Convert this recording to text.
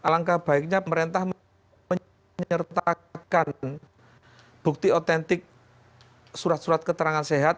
alangkah baiknya pemerintah menyertakan bukti otentik surat surat keterangan sehat